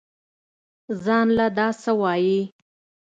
زان له دا سه وايې.